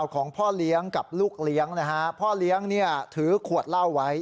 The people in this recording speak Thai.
ของพ่อเลี้ยงกับลูกเลี้ยงนะฮะพ่อเลี้ยงเนี่ยถือขวดเหล้าไว้